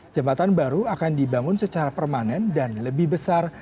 jembatan baru akan dibangun secara permanen dan lebih besar